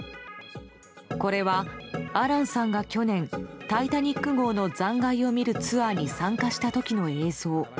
これはアランさんが去年「タイタニック号」の残骸を見るツアーに参加した時の映像。